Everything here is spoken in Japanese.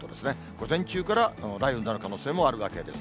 午前中から雷雨になる可能性もあるわけです。